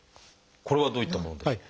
これはどういったものでしょう？